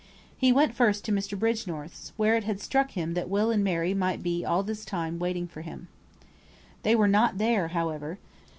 He went first to Mr. Bridgenorth's, where it had struck him that Will and Mary might be all this time waiting for him. They were not there, however.